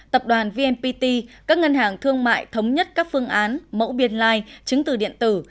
tập đoàn vnpt các ngân hàng thương mại thống nhất các phương án mẫu biên lai chứng từ điện tử